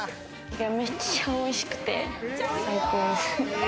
めっちゃ美味しくて最高です。